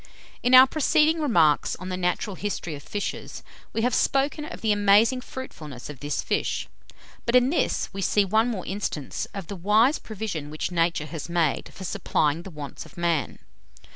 In our preceding remarks on the natural history of fishes, we have spoken of the amazing fruitfulness of this fish; but in this we see one more instance of the wise provision which Nature has made for supplying the wants of man.